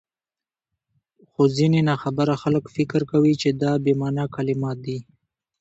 خو ځيني ناخبره خلک فکر کوي چي دا بې مانا کلمات دي،